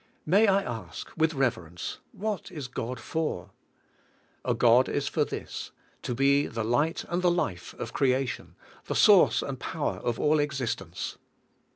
May I ask, with reverence: What is God for? A God is for this: to be the light and the life of creation, the source and power of all existence.